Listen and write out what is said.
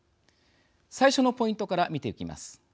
最初のポイントから見ていきます。